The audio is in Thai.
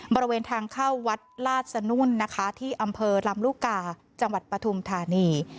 บริเวณทางเข้าวัดลาดสนุ่นนะคะที่อำเภอลำลูกกาจังหวัดปฐุมธานี